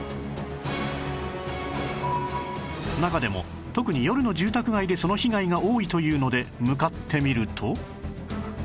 中でも特に夜の住宅街でその被害が多いというので向かってみると